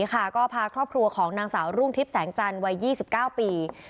ก็พาครอบครัวของนางสาวรุ่งทิพย์แสงจันทร์วัย๒๙ปี